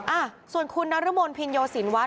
อ่ะส่วนคุณนรมนภินโยสินวัฒ